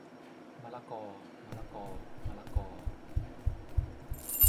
มะละกอมะละกอมะละกอ